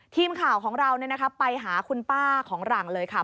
ทีมข่าวของเราไปหาคุณป้าของหลังเลยค่ะ